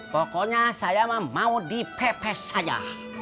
pokoknya saya mah mau dipepes aja